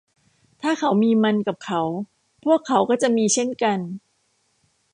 ถ้าเขามีมันกับเขาพวกเขาก็จะมีเช่นกัน